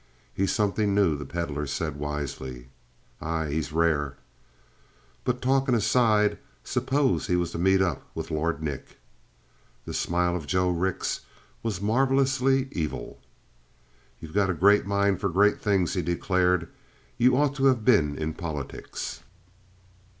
"He's something new," the Pedlar said wisely. "Ay, he's rare." "But talkin' aside, suppose he was to meet up with Lord Nick?" The smile of Joe Rix was marvelously evil. "You got a great mind for great things," he declared. "You ought to of been in politics."